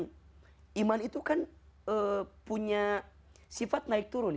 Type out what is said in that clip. memiliki sifat naik turun